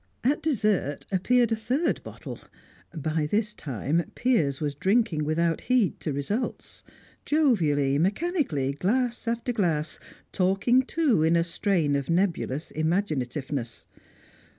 At dessert appeared a third bottle; by this time, Piers was drinking without heed to results; jovially, mechanically, glass after glass, talking, too, in a strain of nebulous imaginativeness.